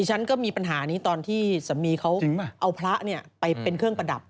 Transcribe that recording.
ฉันก็มีปัญหานี้ตอนที่สามีเขาเอาพระไปเป็นเครื่องประดับ